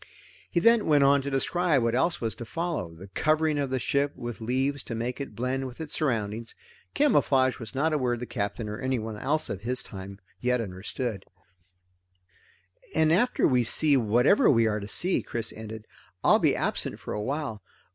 He then went on to describe what else was to follow the covering of the ship with leaves to make it blend with its surroundings. Camouflage was not a word the Captain, or anyone else of his time, yet understood. "After we see whatever we are to see," Chris ended, "I'll be absent for a while.